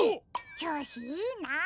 ちょうしいいな。